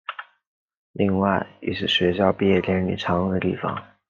另外亦是学校毕业典礼常用的地方。